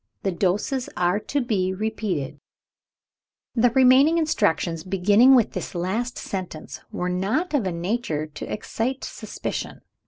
The doses are to be repeated " The remaining instructions, beginning with this last sentence, were not of a nature to excite suspicion.